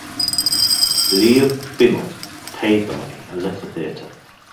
Lyubimov paid the money and left the theatre.